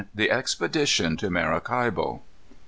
_The Expedition to Maracaibo.